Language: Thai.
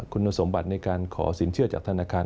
คุณสมบัติในการขอสินเชื่อจากธนาคาร